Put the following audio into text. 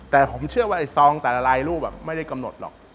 แต่ผมเชื่อว่าไอ้ซองแต่ละลายรูปไม่ได้กำหนดหรอก